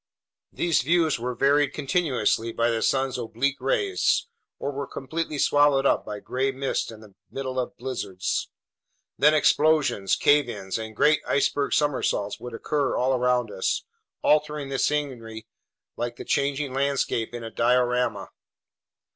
These views were varied continuously by the sun's oblique rays, or were completely swallowed up by gray mists in the middle of blizzards. Then explosions, cave ins, and great iceberg somersaults would occur all around us, altering the scenery like the changing landscape in a diorama.